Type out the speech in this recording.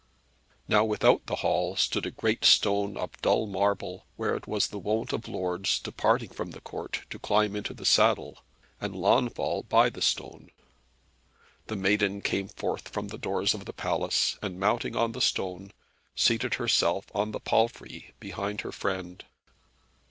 Now without the hall stood a great stone of dull marble, where it was the wont of lords, departing from the Court, to climb into the saddle, and Launfal by the stone. The Maiden came forth from the doors of the palace, and mounting on the stone, seated herself on the palfrey, behind her friend.